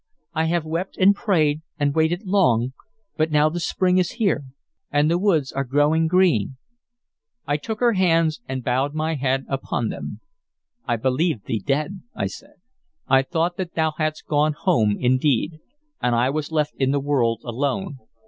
"I have wept and prayed and waited long, but now the spring is here and the woods are growing green." I took her hands and bowed my head upon them. "I believed thee dead," I said. "I thought that thou hadst gone home, indeed, and I was left in the world alone.